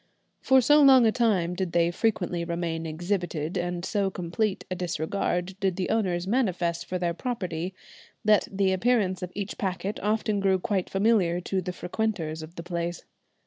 For so long a time did they frequently remain exhibited, and so complete a disregard did the owners manifest for their property, that the appearance of each packet often grew quite familiar to the frequenters of the place.